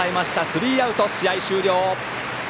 スリーアウト、試合終了。